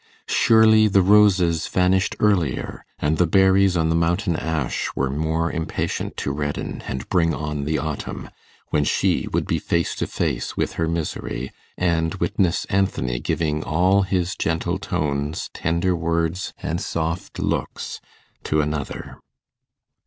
Surely the roses vanished earlier, and the berries on the mountain ash were more impatient to redden, and bring on the autumn, when she would be face to face with her misery, and witness Anthony giving all his gentle tones, tender words, and soft looks to another.